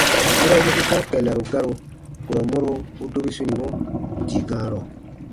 Yera yoku sɔ̃ɔ kɛllaru garu, kurɔ mɔro u dobi sunimɔ dii gãarɔ.